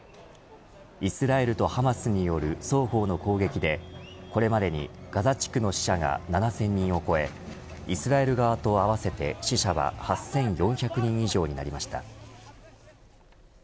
イスラエルとハマスによる双方の攻撃でこれまでにガザ地区の死者が７０００人を超えイスラエル側と合わせて死者は８４００人以上になりました。